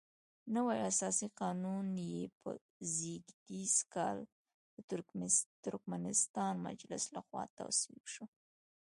نوی اساسي قانون یې په زېږدیز کال د ترکمنستان مجلس لخوا تصویب شو.